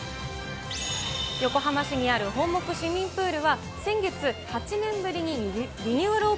横浜市にある本牧市民プールは、先月、８年ぶりにリニューアルオ